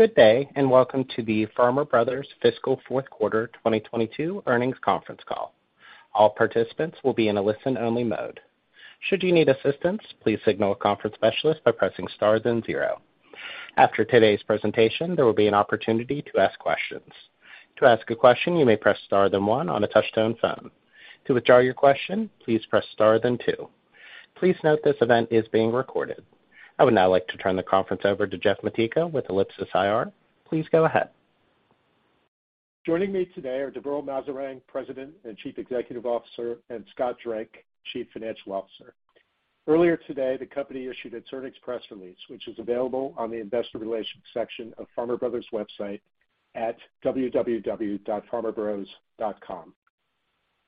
Good day, and welcome to the Farmer Brothers Fiscal Q4 2022 Earnings Conference Call. All participants will be in a listen-only mode. Should you need assistance, please signal a conference specialist by pressing star then zero. After today's presentation, there will be an opportunity to ask questions. To ask a question, you may press star then one on a touch-tone phone. To withdraw your question, please press star then two. Please note this event is being recorded. I would now like to turn the conference over to Jeff Majtyka with Ellipsis IR. Please go ahead. Joining me today are Deverl Maserang, President and Chief Executive Officer, and Scott Drake, Chief Financial Officer. Earlier today, the company issued its earnings press release, which is available on the investor relations section of Farmer Brothers' website at www.farmerbros.com.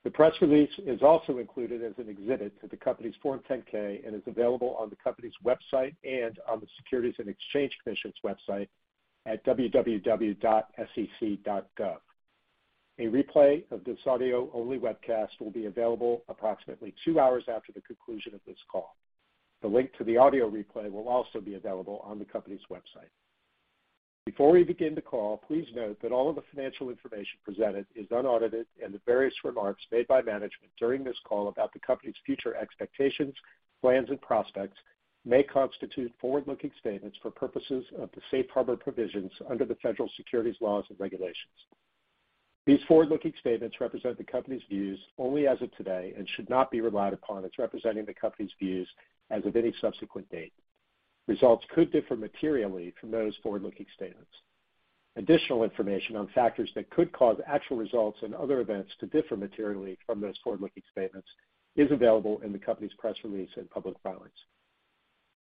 The press release is also included as an exhibit to the company's Form 10-K and is available on the company's website and on the Securities and Exchange Commission's website at www.sec.gov. A replay of this audio-only webcast will be available approximately two hours after the conclusion of this call. The link to the audio replay will also be available on the company's website. Before we begin the call, please note that all of the financial information presented is unaudited and the various remarks made by management during this call about the company's future expectations, plans and prospects may constitute forward-looking statements for purposes of the safe harbor provisions under the federal securities laws and regulations. These forward-looking statements represent the company's views only as of today and should not be relied upon as representing the company's views as of any subsequent date. Results could differ materially from those forward-looking statements. Additional information on factors that could cause actual results and other events to differ materially from those forward-looking statements is available in the company's press release and public filings.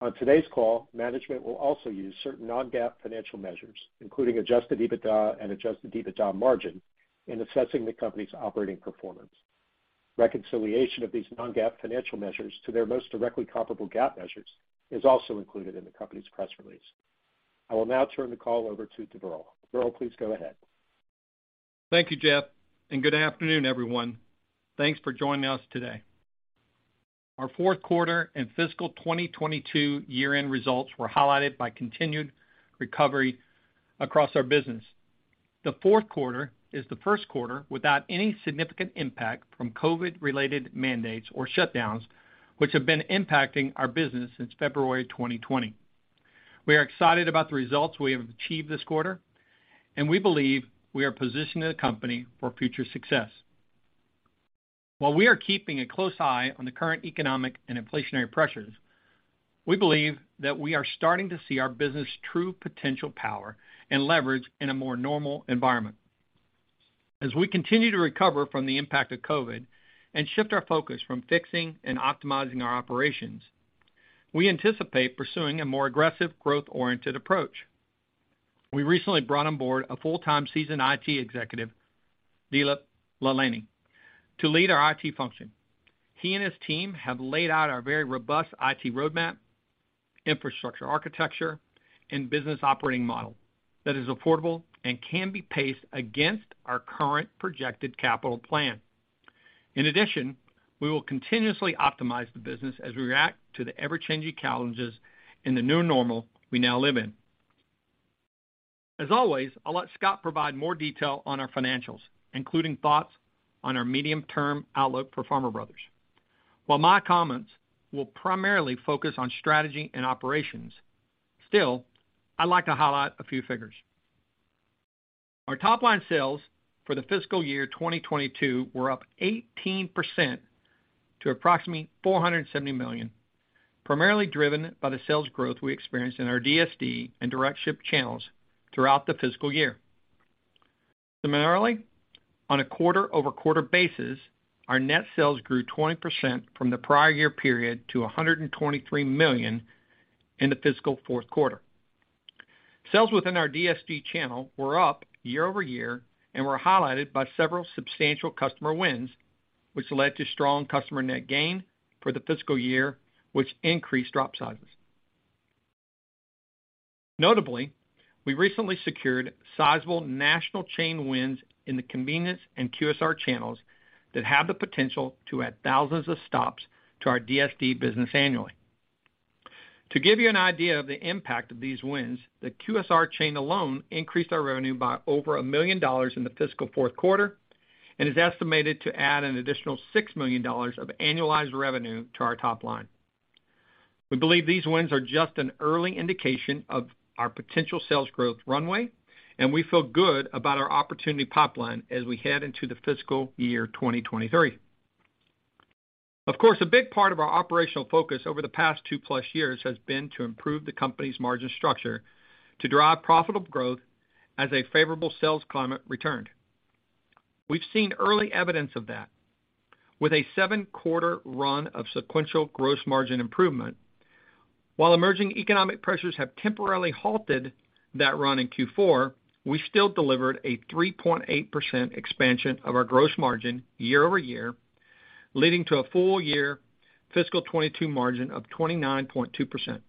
On today's call, management will also use certain non-GAAP financial measures, including adjusted EBITDA and adjusted EBITDA margin, in assessing the company's operating performance. Reconciliation of these non-GAAP financial measures to their most directly comparable GAAP measures is also included in the company's press release. I will now turn the call over to Deverl. Deverl, please go ahead. Thank you, Jeff, and good afternoon, everyone. Thanks for joining us today. Our Q4 and fiscal 2022 year-end results were highlighted by continued recovery across our business. The Q4 is the first quarter without any significant impact from COVID-related mandates or shutdowns, which have been impacting our business since February 2020. We are excited about the results we have achieved this quarter, and we believe we are positioning the company for future success. While we are keeping a close eye on the current economic and inflationary pressures, we believe that we are starting to see our business' true potential power and leverage in a more normal environment. As we continue to recover from the impact of COVID and shift our focus from fixing and optimizing our operations, we anticipate pursuing a more aggressive, growth-oriented approach. We recently brought on board a full-time seasoned IT executive, [Dilip Lillaney] to lead our IT function. He and his team have laid out our very robust IT roadmap, infrastructure architecture, and business operating model that is affordable and can be paced against our current projected capital plan. In addition, we will continuously optimize the business as we react to the ever-changing challenges in the new normal we now live in. As always, I'll let Scott provide more detail on our financials, including thoughts on our medium-term outlook for Farmer Brothers. While my comments will primarily focus on strategy and operations, still, I'd like to highlight a few figures. Our top-line sales for the fiscal year 2022 were up 18% to approximately $470 million, primarily driven by the sales growth we experienced in our DSD and direct ship channels throughout the fiscal year. Similarly, on a quarter-over-quarter basis, our net sales grew 20% from the prior year period to $123 million in the fiscal Q4 sales within our DSD channel were up year-over-year and were highlighted by several substantial customer wins, which led to strong customer net gain for the fiscal year, which increased drop sizes. Notably, we recently secured sizable national chain wins in the convenience and QSR channels that have the potential to add thousands of stops to our DSD business annually. To give you an idea of the impact of these wins, the QSR chain alone increased our revenue by over $1 million in the fiscal Q4 and is estimated to add an additional $6 million of annualized revenue to our top line. We believe these wins are just an early indication of our potential sales growth runway, and we feel good about our opportunity pipeline as we head into the fiscal year 2023. Of course, a big part of our operational focus over the past 2+ years has been to improve the company's margin structure to drive profitable growth as a favorable sales climate returned. We've seen early evidence of that with a seven-quarter run of sequential gross margin improvement. While emerging economic pressures have temporarily halted that run in Q4, we still delivered a 3.8% expansion of our gross margin year-over-year, leading to a full-year fiscal 2022 margin of 29.2%.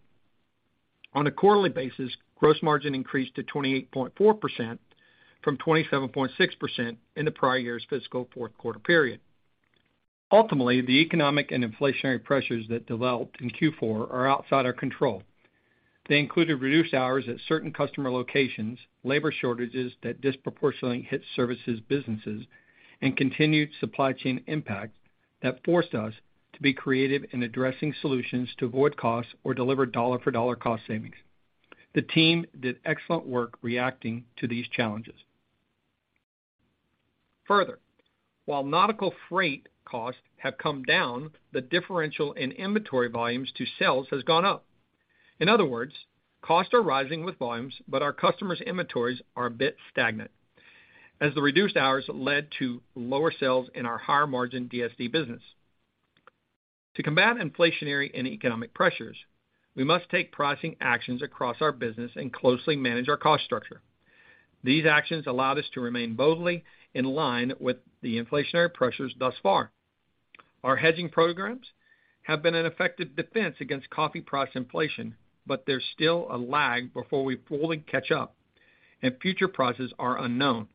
On a quarterly basis, gross margin increased to 28.4% from 27.6% in the prior year's fiscal Q4 period. Ultimately, the economic and inflationary pressures that developed in Q4 are outside our control. They included reduced hours at certain customer locations, labor shortages that disproportionately hit services businesses, and continued supply chain impact that forced us to be creative in addressing solutions to avoid costs or deliver dollar for dollar cost savings. The team did excellent work reacting to these challenges. Further, while ocean freight costs have come down, the differential in inventory volumes to sales has gone up. In other words, costs are rising with volumes, but our customers' inventories are a bit stagnant as the reduced hours led to lower sales in our higher-margin DSD business. To combat inflationary and economic pressures, we must take pricing actions across our business and closely manage our cost structure. These actions allowed us to remain broadly in line with the inflationary pressures thus far. Our hedging programs have been an effective defense against coffee price inflation, but there's still a lag before we fully catch up, and future prices are unknown.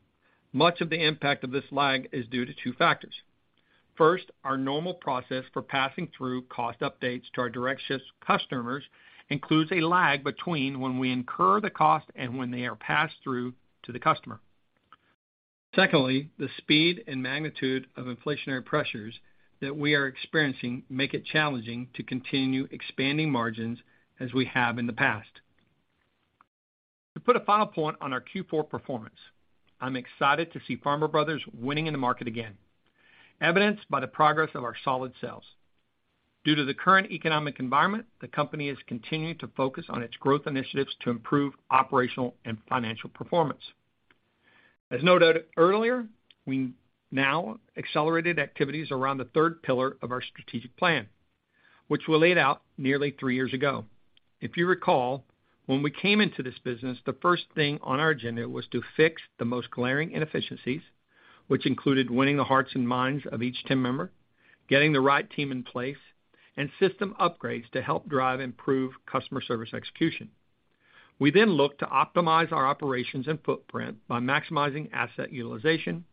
Much of the impact of this lag is due to two factors. First, our normal process for passing through cost updates to our direct-store customers includes a lag between when we incur the cost and when they are passed through to the customer. Secondly, the speed and magnitude of inflationary pressures that we are experiencing make it challenging to continue expanding margins as we have in the past. To put a final point on our Q4 performance, I'm excited to see Farmer Brothers winning in the market again, evidenced by the progress of our solid sales. Due to the current economic environment, the company is continuing to focus on its growth initiatives to improve operational and financial performance. As noted earlier, we now accelerated activities around the third pillar of our strategic plan, which we laid out nearly three years ago. If you recall, when we came into this business, the first thing on our agenda was to fix the most glaring inefficiencies, which included winning the hearts and minds of each team member, getting the right team in place, and system upgrades to help drive improved customer service execution. We then looked to optimize our operations and footprint by maximizing asset utilization,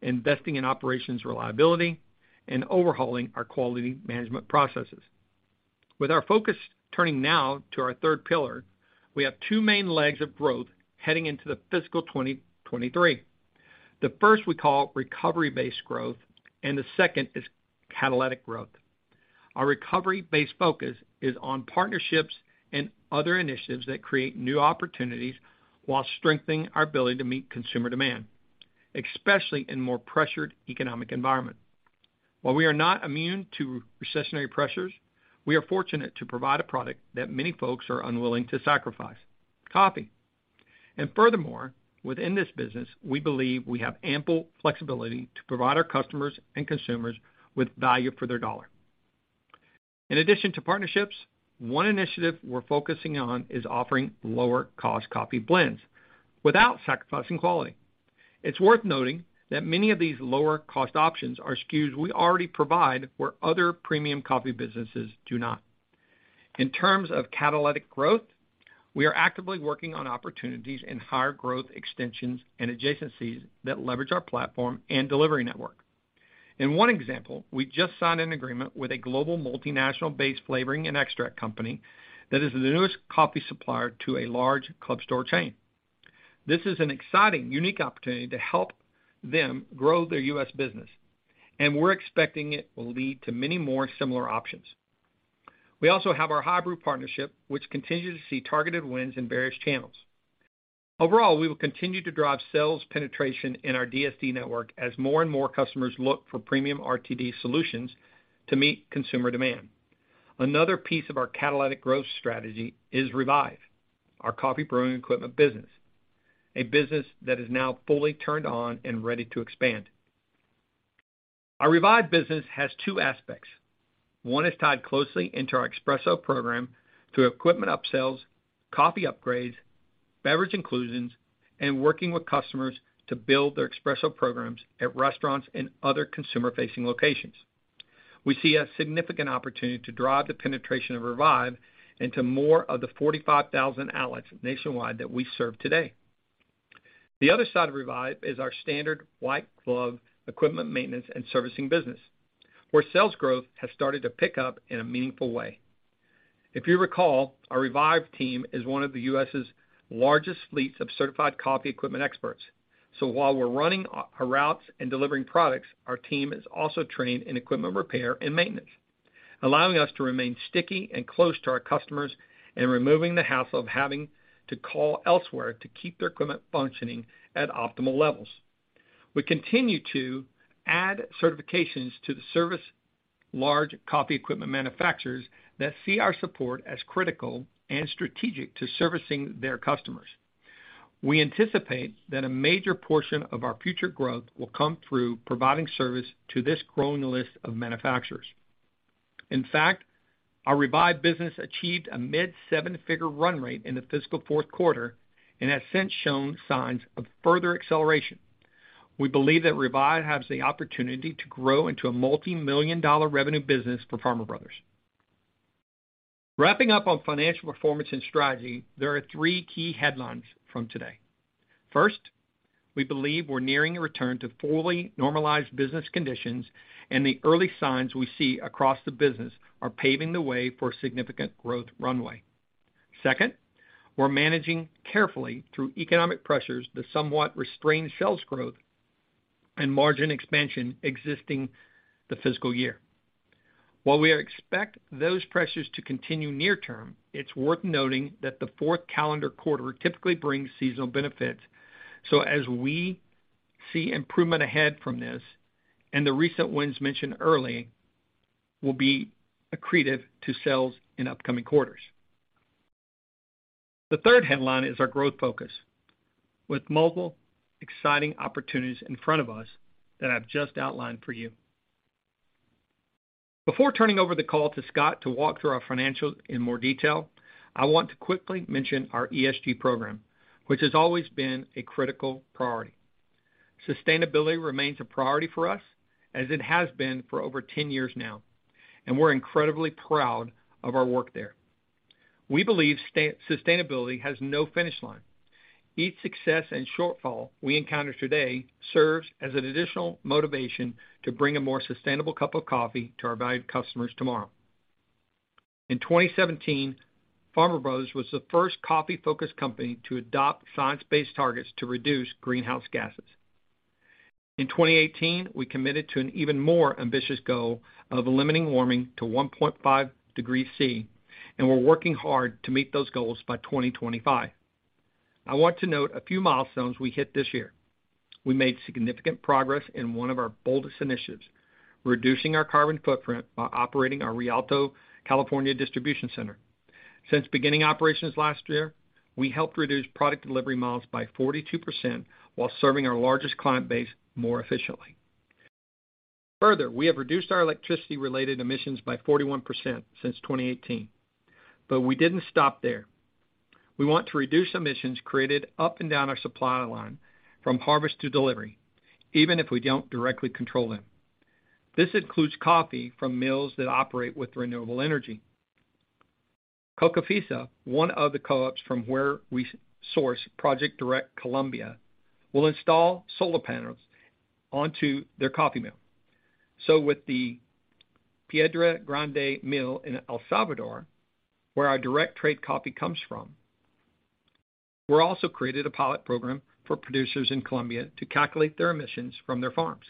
investing in operations reliability, and overhauling our quality management processes. With our focus turning now to our third pillar, we have two main legs of growth heading into the fiscal 2023. The first we call recovery-based growth, and the second is catalytic growth. Our recovery-based focus is on partnerships and other initiatives that create new opportunities while strengthening our ability to meet consumer demand, especially in more pressured economic environment. While we are not immune to recessionary pressures, we are fortunate to provide a product that many folks are unwilling to sacrifice, coffee. Furthermore, within this business, we believe we have ample flexibility to provide our customers and consumers with value for their dollar. In addition to partnerships, one initiative we're focusing on is offering lower-cost coffee blends without sacrificing quality. It's worth noting that many of these lower-cost options are SKUs we already provide where other premium coffee businesses do not. In terms of catalytic growth, we are actively working on opportunities in higher growth extensions and adjacencies that leverage our platform and delivery network. In one example, we just signed an agreement with a global multinational-based flavoring and extract company that is the newest coffee supplier to a large club store chain. This is an exciting, unique opportunity to help them grow their U.S. business, and we're expecting it will lead to many more similar options. We also have our hybrid partnership, which continues to see targeted wins in various channels. Overall, we will continue to drive sales penetration in our DSD network as more and more customers look for premium RTD solutions to meet consumer demand. Another piece of our catalytic growth strategy is Revive, our coffee brewing equipment business, a business that is now fully turned on and ready to expand. Our Revive business has two aspects. One is tied closely into our espresso program through equipment upsells, coffee upgrades, beverage inclusions, and working with customers to build their espresso programs at restaurants and other consumer-facing locations. We see a significant opportunity to drive the penetration of Revive into more of the 45,000 outlets nationwide that we serve today. The other side of Revive is our standard white glove equipment maintenance and servicing business, where sales growth has started to pick up in a meaningful way. If you recall, our Revive team is one of the U.S.'s largest fleets of certified coffee equipment experts. While we're running our routes and delivering products, our team is also trained in equipment repair and maintenance, allowing us to remain sticky and close to our customers and removing the hassle of having to call elsewhere to keep their equipment functioning at optimal levels. We continue to add certifications to the service large coffee equipment manufacturers that see our support as critical and strategic to servicing their customers. We anticipate that a major portion of our future growth will come through providing service to this growing list of manufacturers. In fact, our Revive business achieved a mid-seven-figure run rate in the fiscal fourth quarter and has since shown signs of further acceleration. We believe that Revive has the opportunity to grow into a multimillion-dollar revenue business for Farmer Brothers. Wrapping up on financial performance and strategy, there are three key headlines from today. First, we believe we're nearing a return to fully normalized business conditions, and the early signs we see across the business are paving the way for significant growth runway. Second, we're managing carefully through economic pressures that somewhat restrain sales growth and margin expansion exiting the fiscal year. While we expect those pressures to continue near term, it's worth noting that the Q4 calendar typically brings seasonal benefits. As we see improvement ahead from this, and the recent wins mentioned early will be accretive to sales in upcoming quarters. The third headline is our growth focus, with multiple exciting opportunities in front of us that I've just outlined for you. Before turning over the call to Scott to walk through our financials in more detail, I want to quickly mention our ESG program, which has always been a critical priority. Sustainability remains a priority for us as it has been for over 10 years now, and we're incredibly proud of our work there. We believe sustainability has no finish line. Each success and shortfall we encounter today serves as an additional motivation to bring a more sustainable cup of coffee to our valued customers tomorrow. In 2017, Farmer Brothers was the first coffee-focused company to adopt science-based targets to reduce greenhouse gases. In 2018, we committed to an even more ambitious goal of limiting warming to 1.5 degrees Celsius, and we're working hard to meet those goals by 2025. I want to note a few milestones we hit this year. We made significant progress in one of our boldest initiatives, reducing our carbon footprint while operating our Rialto California Distribution Center. Since beginning operations last year, we helped reduce product delivery miles by 42% while serving our largest client base more efficiently. Further, we have reduced our electricity-related emissions by 41% since 2018, but we didn't stop there. We want to reduce emissions created up and down our supply line from harvest to delivery, even if we don't directly control them. This includes coffee from mills that operate with renewable energy. Cocafisa, one of the co-ops from where we source Project Direct Colombia, will install solar panels onto their coffee mill. With the Piedra Grande mill in El Salvador, where our direct trade coffee comes from. We've also created a pilot program for producers in Colombia to calculate their emissions from their farms.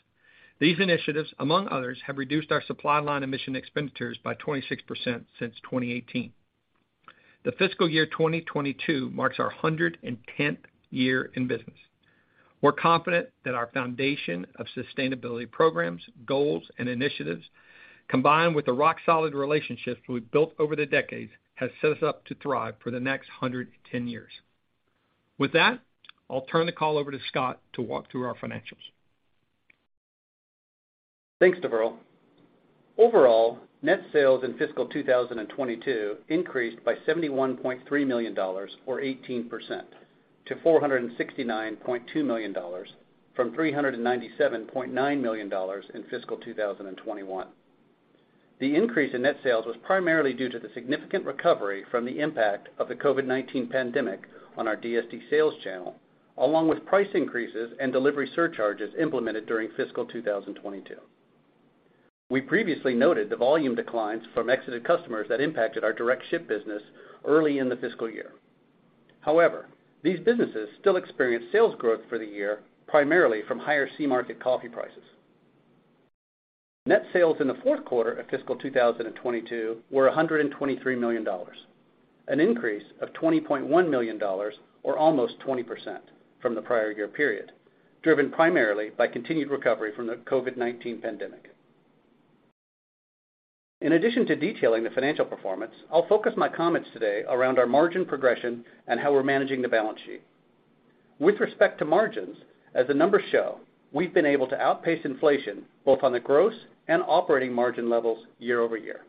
These initiatives, among others, have reduced our supply chain emissions by 26% since 2018. The fiscal year 2022 marks our 110th year in business. We're confident that our foundation of sustainability programs, goals and initiatives, combined with the rock solid relationships we've built over the decades, has set us up to thrive for the next 110 years. With that, I'll turn the call over to Scott to walk through our financials. Thanks, Deverl. Overall, net sales in fiscal 2022 increased by $71.3 million or 18% to $469.2 million from $397.9 million in fiscal 2021. The increase in net sales was primarily due to the significant recovery from the impact of the COVID-19 pandemic on our DSD sales channel, along with price increases and delivery surcharges implemented during fiscal 2022. We previously noted the volume declines from exited customers that impacted our direct ship business early in the fiscal year. However, these businesses still experienced sales growth for the year, primarily from higher C-market coffee prices. Net sales in the Q4 of fiscal 2022 were $123 million, an increase of $20.1 million or almost 20% from the prior year period, driven primarily by continued recovery from the COVID-19 pandemic. In addition to detailing the financial performance, I'll focus my comments today around our margin progression and how we're managing the balance sheet. With respect to margins, as the numbers show, we've been able to outpace inflation both on the gross and operating margin levels year over year.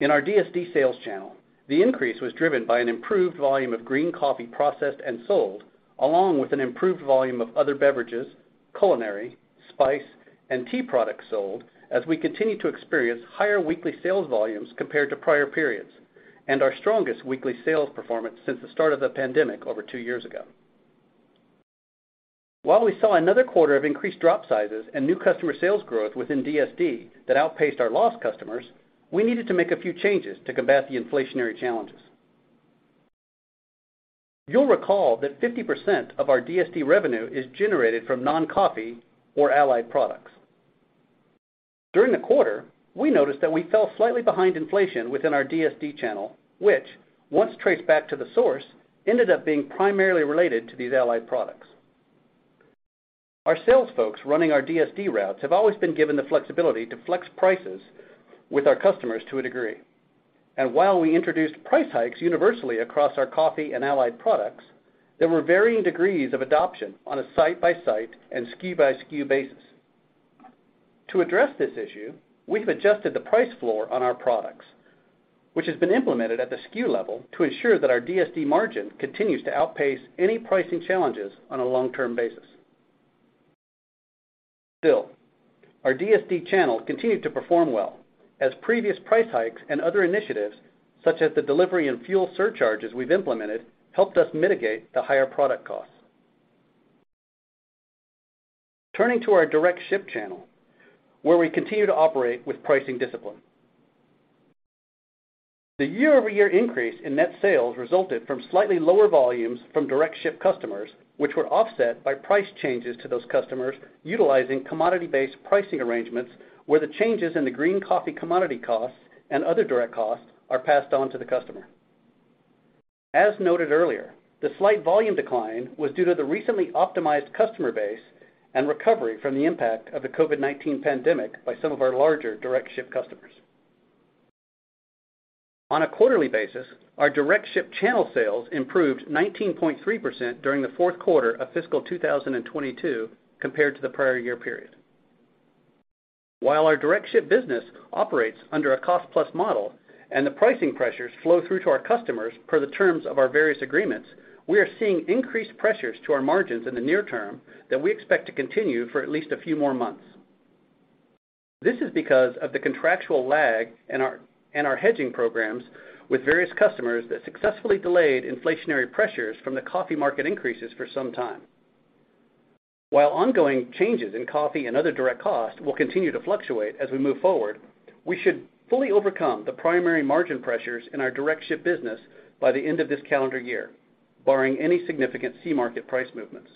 In our DSD sales channel, the increase was driven by an improved volume of green coffee processed and sold, along with an improved volume of other beverages, culinary, spice, and tea products sold as we continue to experience higher weekly sales volumes compared to prior periods and our strongest weekly sales performance since the start of the pandemic over two years ago. While we saw another quarter of increased drop sizes and new customer sales growth within DSD that outpaced our lost customers, we needed to make a few changes to combat the inflationary challenges. You'll recall that 50% of our DSD revenue is generated from non-coffee or allied products. During the quarter, we noticed that we fell slightly behind inflation within our DSD channel, which once traced back to the source, ended up being primarily related to these allied products. Our sales folks running our DSD routes have always been given the flexibility to flex prices with our customers to a degree. While we introduced price hikes universally across our coffee and allied products, there were varying degrees of adoption on a site-by-site and SKU-by-SKU basis. To address this issue, we have adjusted the price floor on our products, which has been implemented at the SKU level to ensure that our DSD margin continues to outpace any pricing challenges on a long-term basis. Still, our DSD channel continued to perform well as previous price hikes and other initiatives, such as the delivery and fuel surcharges we've implemented, helped us mitigate the higher product costs. Turning to our direct ship channel, where we continue to operate with pricing discipline. The year-over-year increase in net sales resulted from slightly lower volumes from direct ship customers, which were offset by price changes to those customers utilizing commodity-based pricing arrangements, where the changes in the green coffee commodity costs and other direct costs are passed on to the customer. As noted earlier, the slight volume decline was due to the recently optimized customer base and recovery from the impact of the COVID-19 pandemic by some of our larger direct ship customers. On a quarterly basis, our direct ship channel sales improved 19.3% during the Q4 of fiscal 2022 compared to the prior year period. While our direct ship business operates under a cost-plus model and the pricing pressures flow through to our customers per the terms of our various agreements, we are seeing increased pressures to our margins in the near term that we expect to continue for at least a few more months. This is because of the contractual lag and our hedging programs with various customers that successfully delayed inflationary pressures from the coffee market increases for some time. While ongoing changes in coffee and other direct costs will continue to fluctuate as we move forward, we should fully overcome the primary margin pressures in our direct ship business by the end of this calendar year, barring any significant C-market price movements.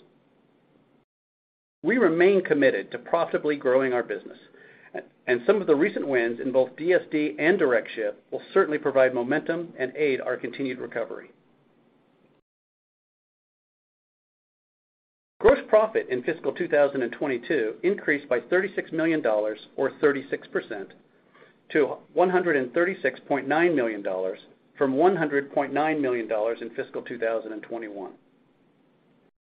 We remain committed to profitably growing our business, and some of the recent wins in both DSD and direct ship will certainly provide momentum and aid our continued recovery. Gross profit in fiscal 2022 increased by $36 million, or 36%, to $136.9 million from $100.9 million in fiscal 2021.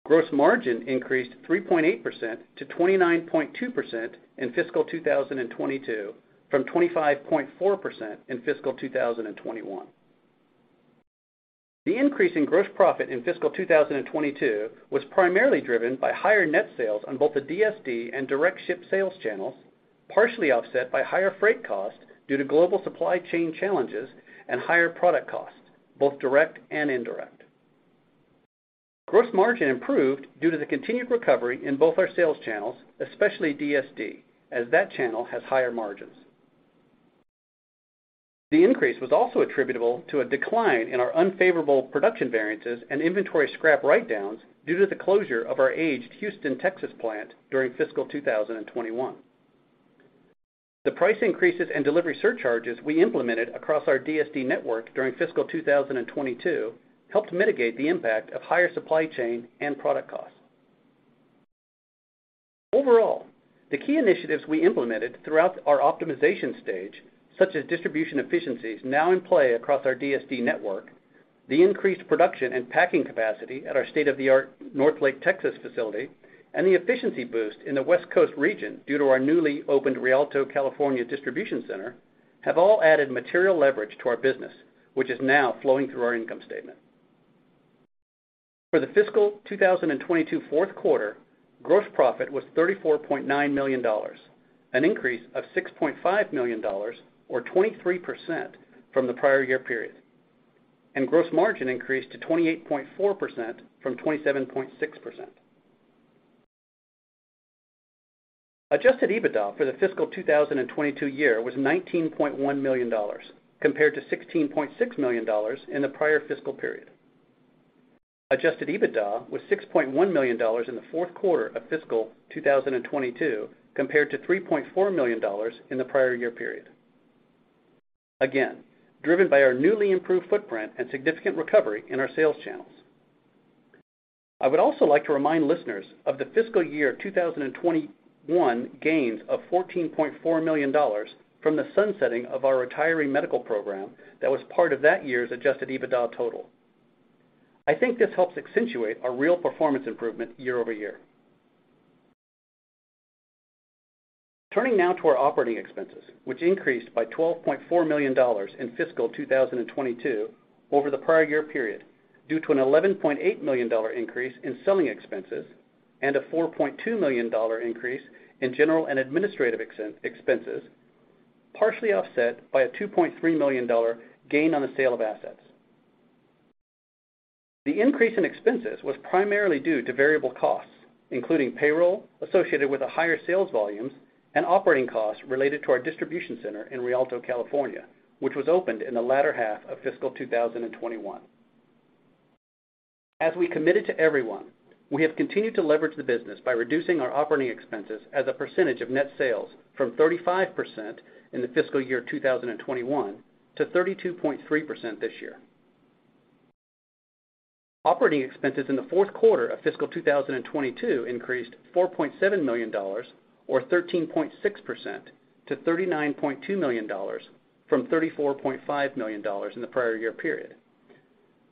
Gross margin increased 3.8% to 29.2% in fiscal 2022 from 25.4% in fiscal 2021. The increase in gross profit in fiscal 2022 was primarily driven by higher net sales on both the DSD and direct ship sales channels, partially offset by higher freight costs due to global supply chain challenges and higher product costs, both direct and indirect. Gross margin improved due to the continued recovery in both our sales channels, especially DSD, as that channel has higher margins. The increase was also attributable to a decline in our unfavorable production variances and inventory scrap write-downs due to the closure of our aged Houston, Texas plant during fiscal 2021. The price increases and delivery surcharges we implemented across our DSD network during fiscal 2022 helped mitigate the impact of higher supply chain and product costs. Overall, the key initiatives we implemented throughout our optimization stage, such as distribution efficiencies now in play across our DSD network, the increased production and packing capacity at our state-of-the-art Northlake, Texas facility, and the efficiency boost in the West Coast region due to our newly opened Rialto, California distribution center, have all added material leverage to our business, which is now flowing through our income statement. For the fiscal 2022 Q4, gross profit was $34.9 million, an increase of $6.5 million or 23% from the prior year period, and gross margin increased to 28.4% from 27.6%. Adjusted EBITDA for the fiscal 2022 year was $19.1 million compared to $16.6 million in the prior fiscal period. Adjusted EBITDA was $6.1 million in the Q4 of fiscal 2022 compared to $3.4 million in the prior year period, again, driven by our newly improved footprint and significant recovery in our sales channels. I would also like to remind listeners of the fiscal year 2021 gains of $14.4 million from the sunsetting of our retiree medical program that was part of that year's adjusted EBITDA total. I think this helps accentuate our real performance improvement year-over-year. Turning now to our operating expenses, which increased by $12.4 million in fiscal 2022 over the prior year period due to an $11.8 million increase in selling expenses and a $4.2 million increase in general and administrative expenses, partially offset by a $2.3 million gain on the sale of assets. The increase in expenses was primarily due to variable costs, including payroll associated with the higher sales volumes and operating costs related to our distribution center in Rialto, California, which was opened in the latter half of fiscal 2021. As we committed to everyone, we have continued to leverage the business by reducing our operating expenses as a percentage of net sales from 35% in the fiscal year 2021 to 32.3% this year. Operating expenses in the Q4 of fiscal 2022 increased $4.7 million or 13.6% to $39.2 million from $34.5 million in the prior year period,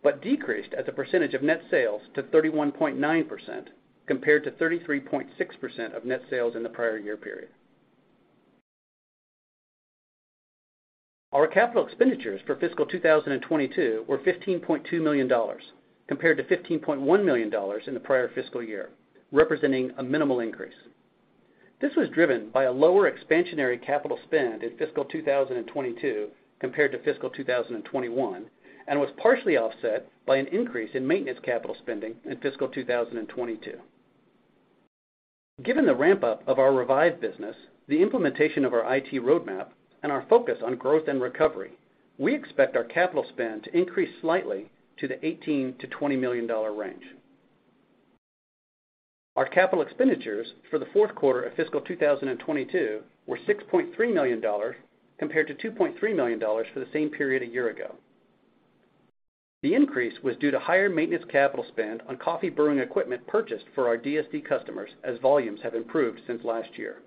but decreased as a percentage of net sales to 31.9% compared to 33.6% of net sales in the prior year period. Our capital expenditures for fiscal 2022 were $15.2 million compared to $15.1 million in the prior fiscal year, representing a minimal increase. This was driven by a lower expansionary capital spend in fiscal 2022 compared to fiscal 2021, and was partially offset by an increase in maintenance capital spending in fiscal 2022. Given the ramp-up of our Revive business, the implementation of our IT roadmap, and our focus on growth and recovery, we expect our capital spend to increase slightly to the $18 million-$20 million range. Our capital expenditures for the Q4 of fiscal 2022 were $6.3 million compared to $2.3 million for the same period a year ago. The increase was due to higher maintenance capital spend on coffee brewing equipment purchased for our DSD customers as volumes have improved since last year.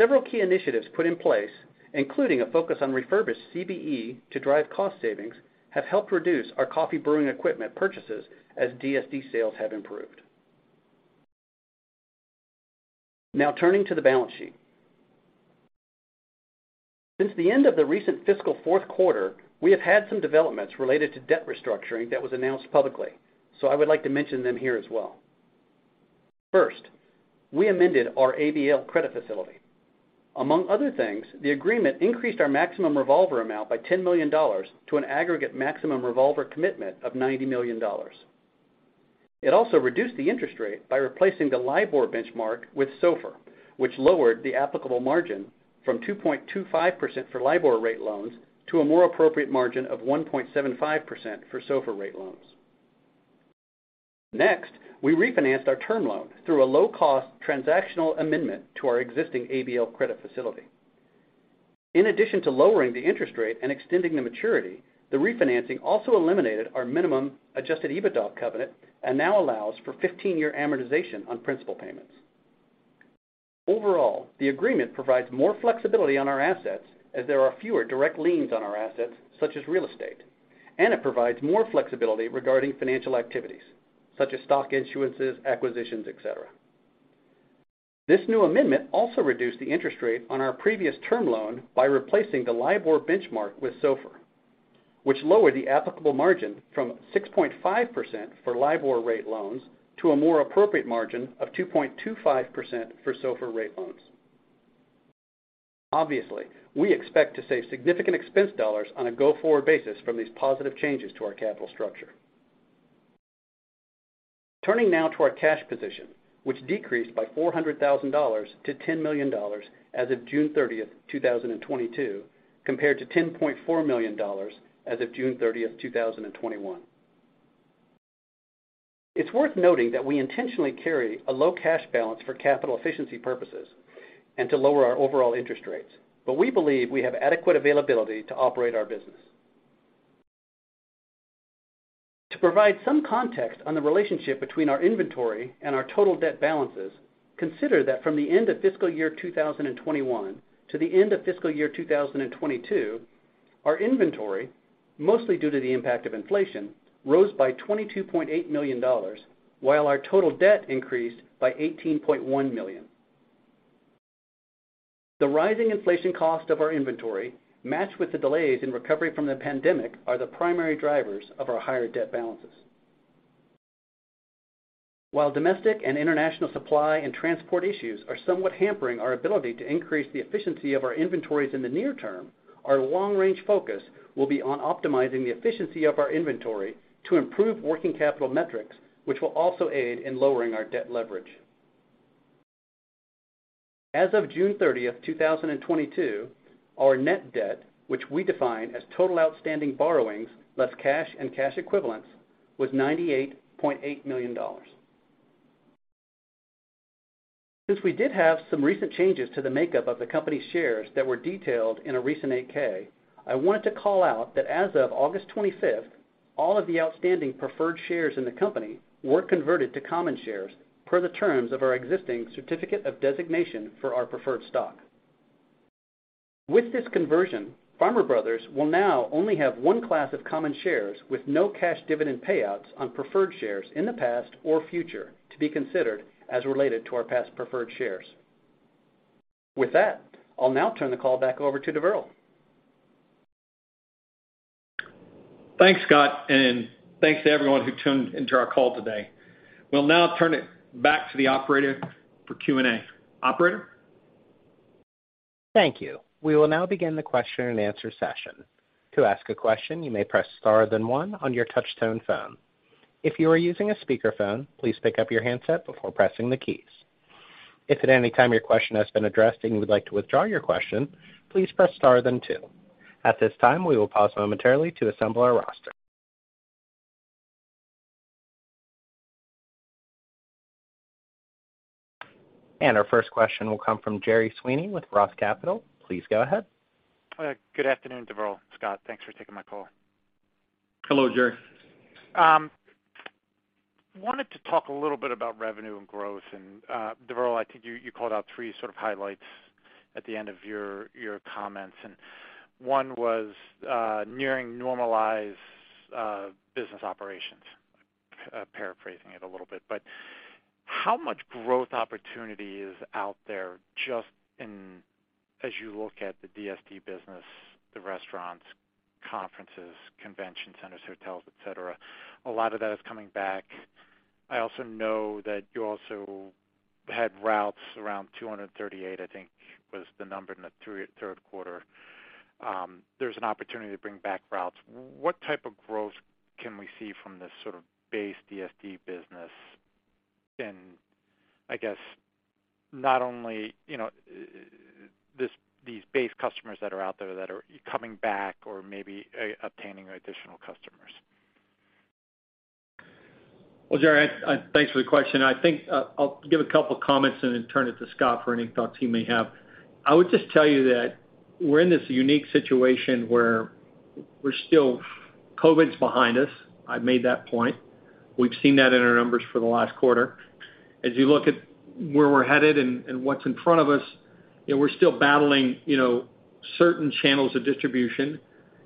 Several key initiatives put in place, including a focus on refurbished CBE to drive cost savings, have helped reduce our coffee brewing equipment purchases as DSD sales have improved. Now turning to the balance sheet. Since the end of the recent fiscal Q4, we have had some developments related to debt restructuring that was announced publicly, so I would like to mention them here as well. First, we amended our ABL credit facility. Among other things, the agreement increased our maximum revolver amount by $10 million to an aggregate maximum revolver commitment of $90 million. It also reduced the interest rate by replacing the LIBOR benchmark with SOFR, which lowered the applicable margin from 2.25% for LIBOR rate loans to a more appropriate margin of 1.75% for SOFR rate loans. Next, we refinanced our term loan through a low-cost transactional amendment to our existing ABL credit facility. In addition to lowering the interest rate and extending the maturity, the refinancing also eliminated our minimum adjusted EBITDA covenant and now allows for 15-year amortization on principal payments. Overall, the agreement provides more flexibility on our assets as there are fewer direct liens on our assets, such as real estate, and it provides more flexibility regarding financial activities, such as stock issuances, acquisitions, et cetera. This new amendment also reduced the interest rate on our previous term loan by replacing the LIBOR benchmark with SOFR, which lowered the applicable margin from 6.5% for LIBOR rate loans to a more appropriate margin of 2.25% for SOFR rate loans. Obviously, we expect to save significant expense dollars on a go-forward basis from these positive changes to our capital structure. Turning now to our cash position, which decreased by $400,000 to $10 million as of 30 June 2022, compared to $10.4 million as of 30 June 2021. It's worth noting that we intentionally carry a low cash balance for capital efficiency purposes and to lower our overall interest rates, but we believe we have adequate availability to operate our business. To provide some context on the relationship between our inventory and our total debt balances, consider that from the end of fiscal year 2021 to the end of fiscal year 2022, our inventory, mostly due to the impact of inflation, rose by $22.8 million, while our total debt increased by $18.1 million. The rising inflation cost of our inventory, matched with the delays in recovery from the pandemic, are the primary drivers of our higher debt balances. While domestic and international supply and transport issues are somewhat hampering our ability to increase the efficiency of our inventories in the near term, our long-range focus will be on optimizing the efficiency of our inventory to improve working capital metrics, which will also aid in lowering our debt leverage. As of 30 June 2022, our net debt, which we define as total outstanding borrowings less cash and cash equivalents, was $98.8 million. Since we did have some recent changes to the makeup of the company's shares that were detailed in a recent 8-K, I wanted to call out that as of 25 August 2022, all of the outstanding preferred shares in the company were converted to common shares per the terms of our existing certificate of designation for our preferred stock. With this conversion, Farmer Brothers will now only have one class of common shares with no cash dividend payouts on preferred shares in the past or future to be considered as related to our past preferred shares. With that, I'll now turn the call back over to Deverl. Thanks, Scott, and thanks to everyone who tuned into our call today. We'll now turn it back to the operator for Q&A. Operator? Thank you. We will now begin the question-and-answer session. To ask a question, you may press star then one on your touch-tone phone. If you are using a speakerphone, please pick up your handset before pressing the keys. If at any time your question has been addressed and you would like to withdraw your question, please press star then two. At this time, we will pause momentarily to assemble our roster. Our first question will come from Gerry Sweeney with Roth Capital Partners. Please go ahead. Good afternoon, Deverl. Scott, thanks for taking my call. Hello, Gerry. Wanted to talk a little bit about revenue and growth. Deverl, I think you called out three sort of highlights at the end of your comments, and one was nearing normalized business operations, paraphrasing it a little bit. How much growth opportunity is out there just in, as you look at the DSD business, the restaurants, conferences, convention centers, hotels, et cetera? A lot of that is coming back. I also know that you also had routes around 238, I think, was the number in the Q3. There's an opportunity to bring back routes. What type of growth can we see from this sort of base DSD business in, I guess, not only, you know, these base customers that are out there that are coming back or maybe, obtaining additional customers? Well, Gerry, thanks for the question. I think I'll give a couple comments and then turn it to Scott for any thoughts he may have. I would just tell you that we're in this unique situation where we're still COVID's behind us. I've made that point. We've seen that in our numbers for the last quarter. As you look at where we're headed and what's in front of us, you know, we're still battling, you know, certain channels of distribution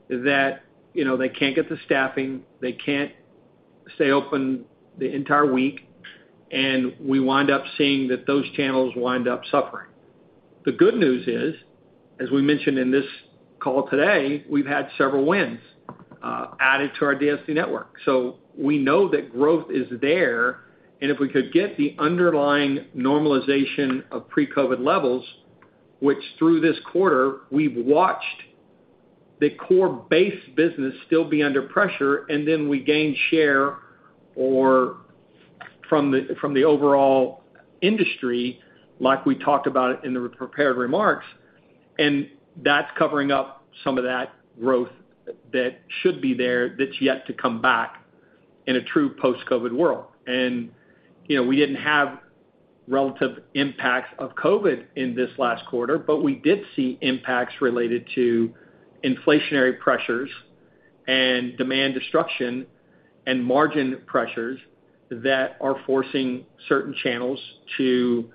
that, you know, they can't get the staffing, they can't stay open the entire week, and we wind up seeing that those channels wind up suffering. The good news is, as we mentioned in this call today, we've had several wins added to our DSD network. We know that growth is there, and if we could get the underlying normalization of pre-COVID levels, which through this quarter, we've watched the core base business still be under pressure, and then we gain share or from the overall industry, like we talked about in the prepared remarks, and that's covering up some of that growth that should be there that's yet to come back in a true post-COVID world. You know, we didn't have relative impacts of COVID in this last quarter, but we did see impacts related to inflationary pressures and demand destruction and margin pressures that are forcing certain channels to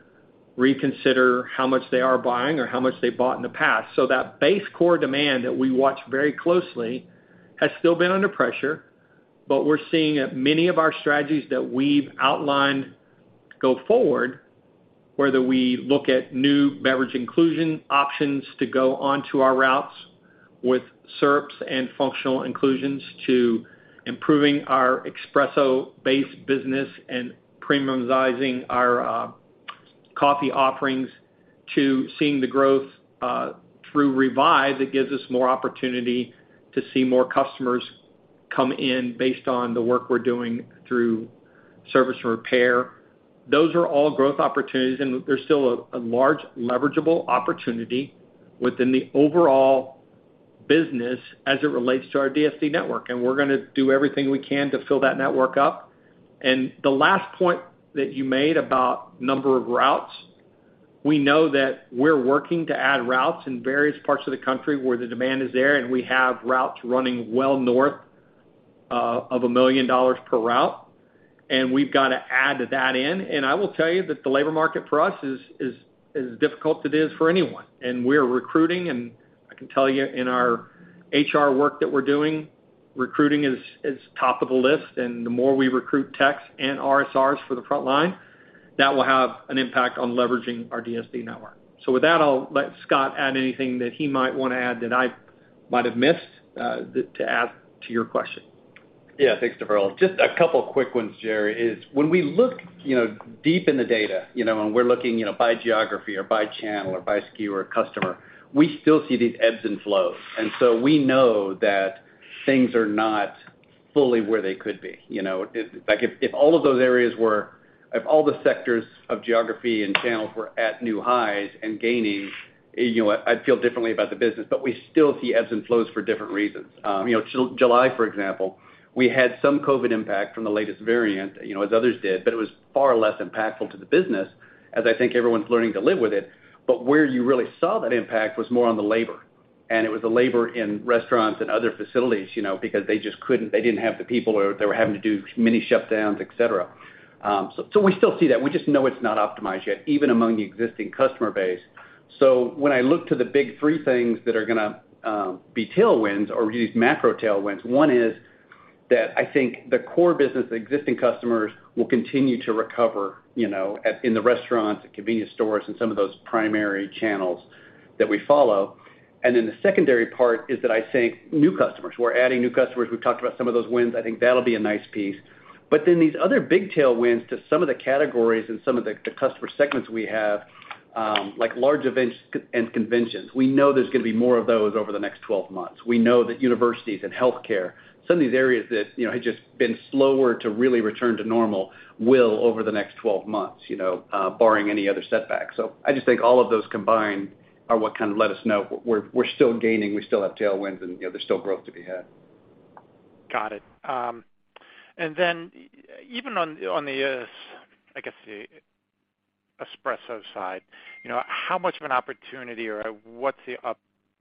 reconsider how much they are buying or how much they bought in the past. That base core demand that we watch very closely has still been under pressure, but we're seeing that many of our strategies that we've outlined go forward, whether we look at new beverage inclusion options to go onto our routes with syrups and functional inclusions, to improving our espresso-based business and premiumizing our coffee offerings, to seeing the growth through Revive that gives us more opportunity to see more customers come in based on the work we're doing through service and repair. Those are all growth opportunities, and there's still a large leverageable opportunity within the overall business as it relates to our DSD network, and we're gonna do everything we can to fill that network up. The last point that you made about number of routes, we know that we're working to add routes in various parts of the country where the demand is there, and we have routes running well north of $1 million per route, and we've got to add that in. I will tell you that the labor market for us is difficult. It is for anyone, and we're recruiting. I can tell you, in our HR work that we're doing, recruiting is top of the list. The more we recruit techs and RSRs for the front line, that will have an impact on leveraging our DSD network. With that, I'll let Scott add anything that he might wanna add that I might have missed to add to your question. Yeah. Thanks, Deverl. Just a couple quick ones, Gerry. When we look, you know, deep in the data, you know, and we're looking, you know, by geography or by channel or by SKU or customer, we still see these ebbs and flows. We know that things are not fully where they could be, you know? If all the sectors of geography and channels were at new highs and gaining, you know, I'd feel differently about the business. We still see ebbs and flows for different reasons. You know, July, for example, we had some COVID impact from the latest variant, you know, as others did, but it was far less impactful to the business as I think everyone's learning to live with it. Where you really saw that impact was more on the labor, and it was the labor in restaurants and other facilities, you know, because they just couldn't. They didn't have the people, or they were having to do mini shutdowns, et cetera. So we still see that. We just know it's not optimized yet, even among the existing customer base. When I look to the big three things that are gonna be tailwinds or these macro tailwinds, one is that I think the core business, the existing customers, will continue to recover, you know, in the restaurants, the convenience stores, and some of those primary channels that we follow. Then the secondary part is that I think new customers. We're adding new customers. We've talked about some of those wins. I think that'll be a nice piece. These other big tailwinds to some of the categories and some of the customer segments we have, like large events and conventions, we know there's gonna be more of those over the next 12 months. We know that universities and healthcare, some of these areas that, you know, had just been slower to really return to normal, will over the next 12 months, you know, barring any other setbacks. I just think all of those combined are what kind of let us know we're still gaining, we still have tailwinds, and, you know, there's still growth to be had. Got it. Even on the, I guess, the espresso side, you know, how much of an opportunity or what's the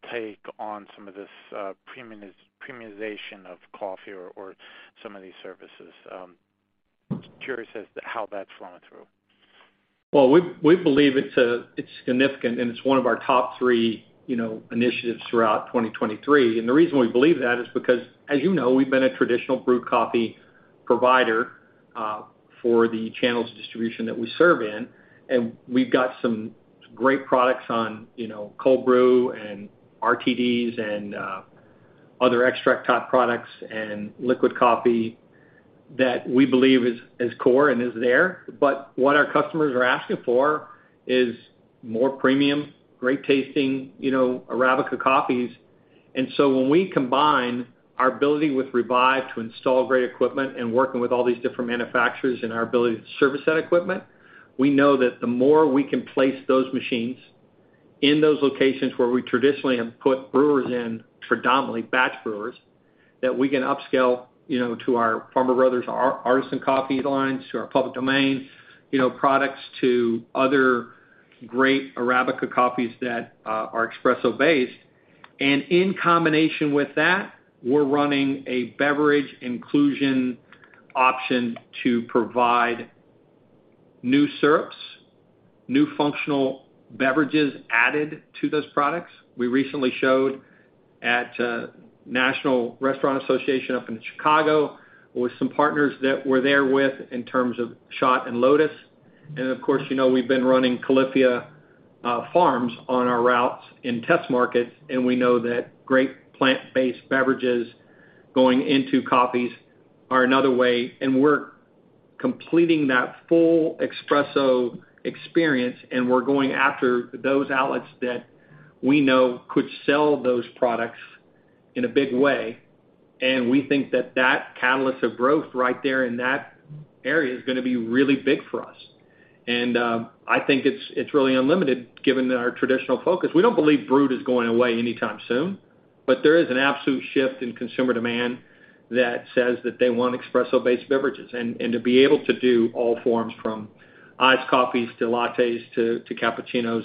uptake on some of this premiumization of coffee or some of these services? Curious as to how that's flowing through. Well, we believe it's significant, and it's one of our top three, you know, initiatives throughout 2023. The reason we believe that is because, as you know, we've been a traditional brewed coffee provider for the channels of distribution that we serve in. We've got some great products on, you know, cold brew and RTDs and other extract type products and liquid coffee that we believe is core and is there. But what our customers are asking for is more premium, great tasting, you know, Arabica coffees. When we combine our ability with Revive to install great equipment and working with all these different manufacturers and our ability to service that equipment, we know that the more we can place those machines in those locations where we traditionally have put brewers in, predominantly batch brewers, that we can upscale, you know, to our Farmer Brothers, our Artisan Coffee lines, to our Public Domain, you know, products to other great Arabica coffees that are espresso based. In combination with that, we're running a beverage inclusion option to provide new syrups, new functional beverages added to those products. We recently showed at National Restaurant Association up in Chicago with some partners that we're there with in terms of SHOTT and Lotus. Of course, you know, we've been running Califia Farms on our routes in test markets, and we know that great plant-based beverages going into coffees are another way. We're completing that full espresso experience, and we're going after those outlets that we know could sell those products in a big way. We think that that catalyst of growth right there in that area is gonna be really big for us. I think it's really unlimited given our traditional focus. We don't believe brewed is going away anytime soon, but there is an absolute shift in consumer demand that says that they want espresso-based beverages and to be able to do all forms from iced coffees to lattes to cappuccinos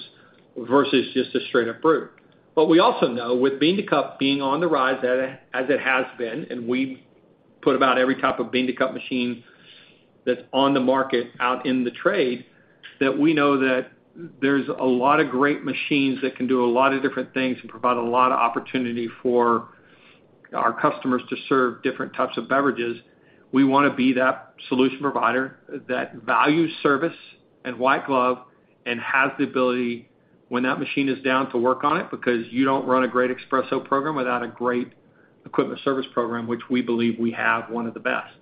versus just a straight up brew. We also know with bean to cup being on the rise as it has been, and we put about every type of bean to cup machine that's on the market out in the trade, that we know that there's a lot of great machines that can do a lot of different things and provide a lot of opportunity for our customers to serve different types of beverages. We wanna be that solution provider that values service and white glove and has the ability, when that machine is down, to work on it because you don't run a great espresso program without a great equipment service program, which we believe we have one of the best.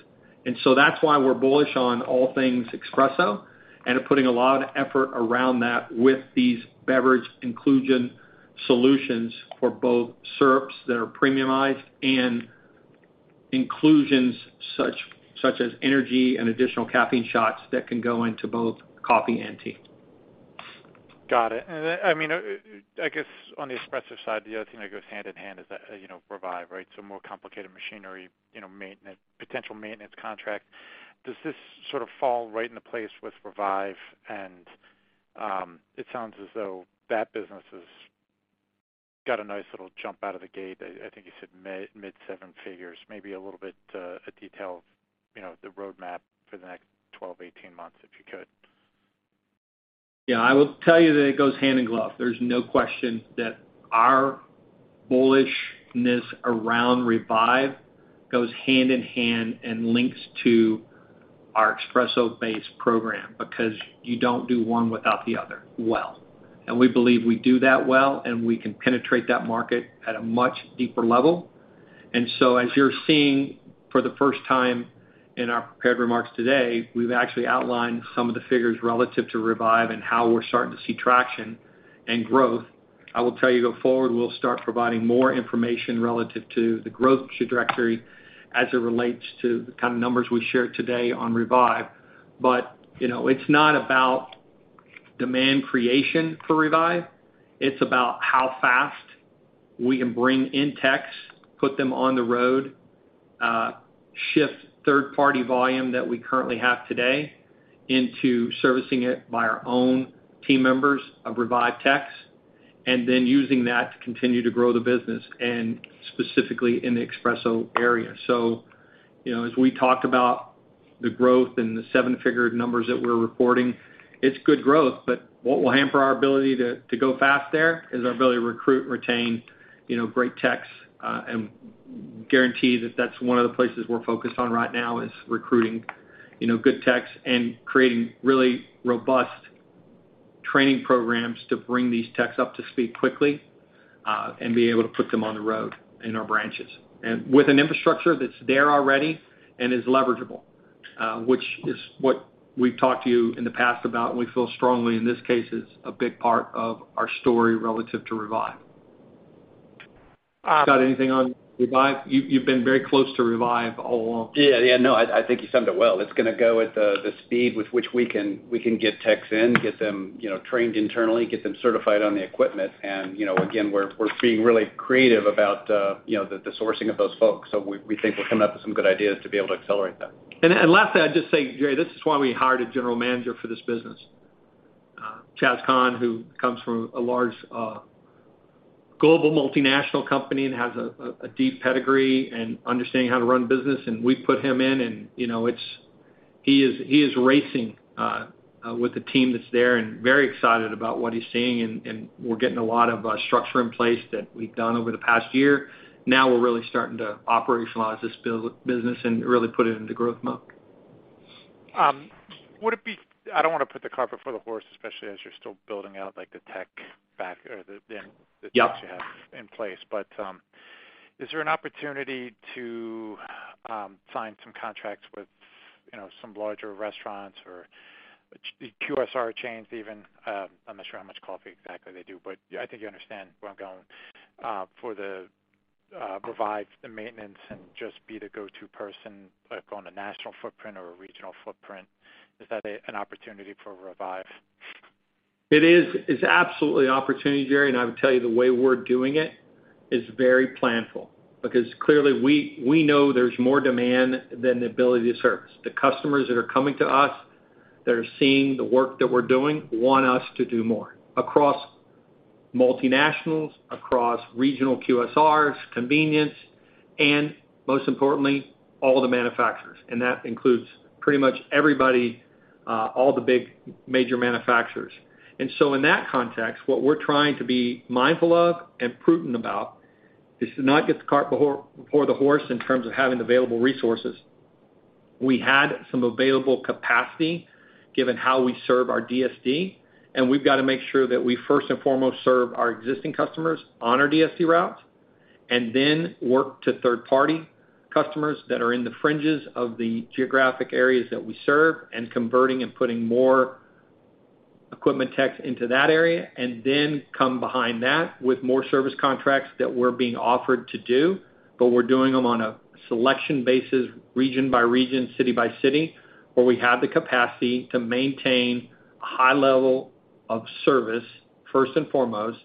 That's why we're bullish on all things espresso and are putting a lot of effort around that with these beverage inclusion solutions for both syrups that are premiumized and inclusions such as energy and additional caffeine shots that can go into both coffee and tea. Got it. I mean, I guess on the espresso side, the other thing that goes hand in hand is that, you know, Revive, right? More complicated machinery, you know, maintenance, potential maintenance contract. Does this sort of fall right into place with Revive? It sounds as though that business has got a nice little jump out of the gate. I think you said mid seven figures, maybe a little bit, a detail of, you know, the roadmap for the next 12, 18 months, if you could. Yeah, I will tell you that it goes hand in glove. There's no question that our bullishness around Revive goes hand in hand and links to our espresso based program because you don't do one without the other well. We believe we do that well, and we can penetrate that market at a much deeper level. As you're seeing for the first time in our prepared remarks today, we've actually outlined some of the figures relative to Revive and how we're starting to see traction and growth. I will tell you, going forward, we'll start providing more information relative to the growth trajectory as it relates to the kind of numbers we shared today on Revive. You know, it's not about demand creation for Revive. It's about how fast we can bring in techs, put them on the road, shift third party volume that we currently have today into servicing it by our own team members of Revive techs, and then using that to continue to grow the business and specifically in the espresso area. You know, as we talked about the growth and the seven-figure numbers that we're reporting, it's good growth, but what will hamper our ability to go fast there is our ability to recruit and retain, you know, great techs. Guarantee that that's one of the places we're focused on right now is recruiting, you know, good techs and creating really robust training programs to bring these techs up to speed quickly, and be able to put them on the road in our branches. With an infrastructure that's there already and is leverageable, which is what we've talked to you in the past about, and we feel strongly in this case is a big part of our story relative to Revive. Um- Scott, anything on Revive? You, you've been very close to Revive all along. Yeah. No, I think you summed it up well. It's gonna go at the speed with which we can get techs in, get them, you know, trained internally, get them certified on the equipment. You know, again, we're being really creative about, you know, the sourcing of those folks. We think we're coming up with some good ideas to be able to accelerate that. Lastly, I'd just say, Gerry, this is why we hired a general manager for this business. Chas Cahn, who comes from a large, global multinational company and has a deep pedigree and understanding how to run business, and we put him in and, you know, it's he is racing with the team that's there and very excited about what he's seeing and we're getting a lot of structure in place that we've done over the past year. Now we're really starting to operationalize this business and really put it into growth mode. Would it be? I don't wanna put the cart before the horse, especially as you're still building out like the tech stack or the... Yep That you have in place. Is there an opportunity to sign some contracts with, you know, some larger restaurants or QSR chains even? I'm not sure how much coffee exactly they do, but I think you understand where I'm going. For the Revive, the maintenance and just be the go-to person, like, on a national footprint or a regional footprint. Is that an opportunity for Revive? It is. It's absolutely an opportunity, Gerry, and I would tell you the way we're doing it is very planful because clearly we know there's more demand than the ability to service. The customers that are coming to us, that are seeing the work that we're doing, want us to do more across multinationals, across regional QSRs, convenience, and most importantly, all the manufacturers, and that includes pretty much everybody, all the big major manufacturers. In that context, what we're trying to be mindful of and prudent about is to not get the cart before the horse in terms of having available resources. We had some available capacity given how we serve our DSD, and we've gotta make sure that we first and foremost serve our existing customers on our DSD routes and then work to third-party customers that are in the fringes of the geographic areas that we serve and converting and putting more equipment techs into that area and then come behind that with more service contracts that we're being offered to do, but we're doing them on a selection basis, region by region, city by city, where we have the capacity to maintain a high level of service, first and foremost,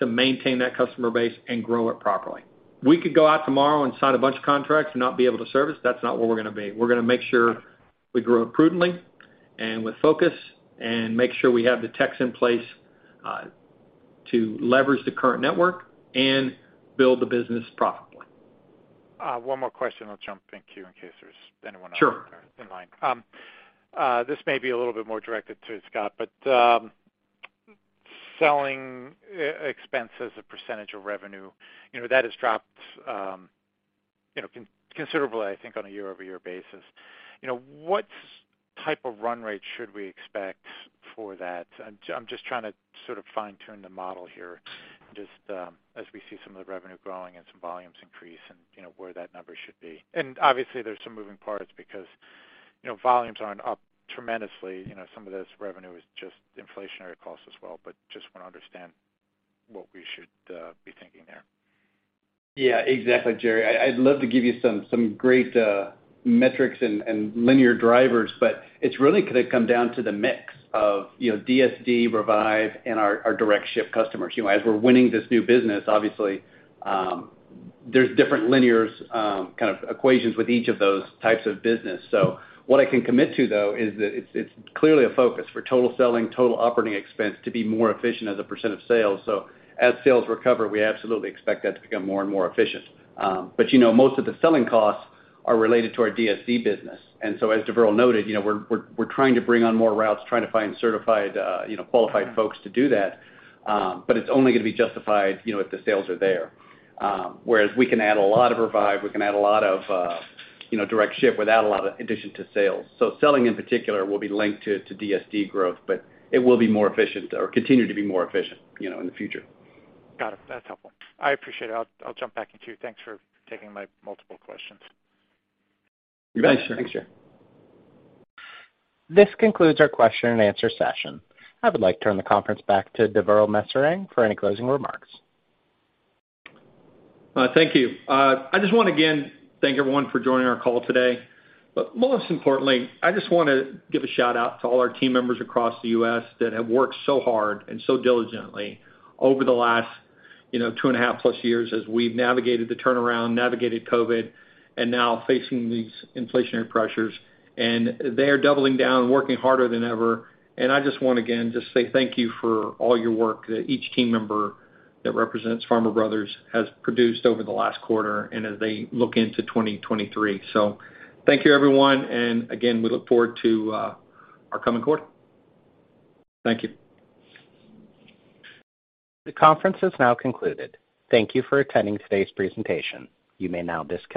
to maintain that customer base and grow it properly. We could go out tomorrow and sign a bunch of contracts and not be able to service. That's not what we're gonna be. We're gonna make sure we grow it prudently and with focus and make sure we have the techs in place to leverage the current network and build the business profitably. One more question. I'll jump back to you in case there's anyone else in line. Sure This may be a little bit more directed to Scott, but, selling expense as a percentage of revenue, you know, that has dropped, considerably, I think, on a year-over-year basis. You know, what type of run rate should we expect for that? I'm just trying to sort of fine-tune the model here just, as we see some of the revenue growing and some volumes increase and, you know, where that number should be. Obviously there's some moving parts because, you know, volumes aren't up tremendously. You know, some of this revenue is just inflationary costs as well, but just wanna understand what we should, be thinking there. Yeah, exactly, Gerry. I'd love to give you some great metrics and linear drivers, but it's really gonna come down to the mix of, you know, DSD, Revive, and our direct ship customers. You know, as we're winning this new business, obviously, there's different linears kind of equations with each of those types of business. What I can commit to though is that it's clearly a focus for total selling, total operating expense to be more efficient as a percent of sales. As sales recover, we absolutely expect that to become more and more efficient. You know, most of the selling costs are related to our DSD business. As Deverl noted, you know, we're trying to bring on more routes, trying to find certified, you know, qualified folks to do that, but it's only gonna be justified, you know, if the sales are there. Whereas we can add a lot of Revive, we can add a lot of, you know, direct ship without a lot of addition to sales. Selling in particular will be linked to DSD growth, but it will be more efficient or continue to be more efficient, you know, in the future. Got it. That's helpful. I appreciate it. I'll jump back in, too. Thanks for taking my multiple questions. You bet. Thanks, Gerry. Thanks, Gerry. This concludes our question and answer session. I would like to turn the conference back to Deverl Maserang for any closing remarks. Thank you. I just wanna again thank everyone for joining our call today. Most importantly, I just wanna give a shout-out to all our team members across the U.S. that have worked so hard and so diligently over the last, you know, 2.5+ years as we've navigated the turnaround, navigated COVID, and now facing these inflationary pressures. They are doubling down, working harder than ever. I just want, again, just say thank you for all your work that each team member that represents Farmer Brothers has produced over the last quarter and as they look into 2023. Thank you, everyone. Again, we look forward to our coming quarter. Thank you. The conference has now concluded. Thank you for attending today's presentation. You may now disconnect.